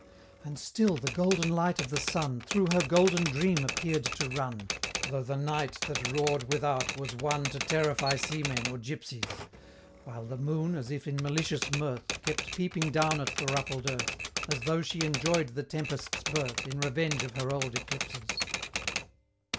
And still the golden light of the sun Through her golden dream appear'd to run, Though the night, that roared without, was one To terrify seamen or gypsies While the moon, as if in malicious mirth, Kept peeping down at the ruffled earth, As though she enjoy'd the tempest's birth, In revenge of her old eclipses.